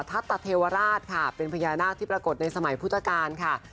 ทัตตเทวราชค่ะเป็นพญานาคที่ปรากฏในสมัยพุทธกาลค่ะ